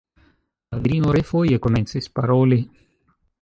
La virino refoje komencis paroli.